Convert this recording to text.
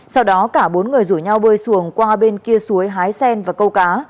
sau đó cả bốn người rủ nhau bơi xuồng qua bên kia suối hái sen và câu cá